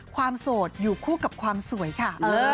โสดอยู่คู่กับความสวยค่ะ